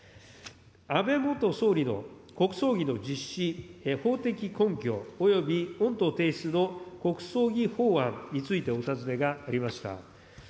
安倍元総理の国葬儀の実施、法的根拠、および御党提出の国葬儀法案についてお尋ねがありました。